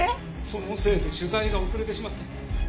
☎そのせいで取材が遅れてしまって。